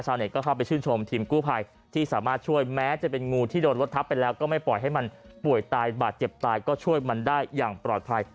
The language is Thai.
เข้าไปชื่นชมทีมกู้ภัยที่สามารถช่วยแม้จะเป็นงูที่โดนรถทับไปแล้วก็ไม่ปล่อยให้มันป่วยตายบาดเจ็บตายก็ช่วยมันได้อย่างปลอดภัย